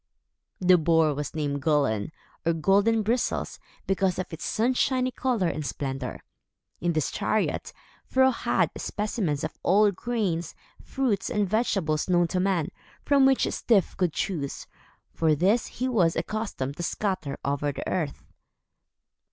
The Boar was named Gullin, or Golden Bristles because of its sunshiny color and splendor. In this chariot, Fro had specimens of all the grains, fruits, and vegetables known to man, from which Styf could choose, for these he was accustomed to scatter over the earth.